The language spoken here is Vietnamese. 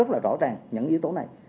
rất là rõ ràng những yếu tố này